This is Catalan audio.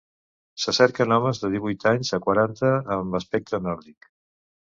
Se cerquen homes de divuit anys a quaranta, amb aspecte nòrdic.